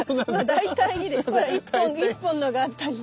大体２でほら１本のがあったりね。